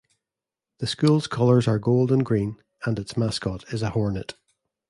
The school's colors are gold and green, and its mascot is a hornet.